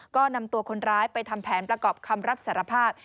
ก็นำตัวคนร้ายไปทำแผนประกอบคำรับสารภาพ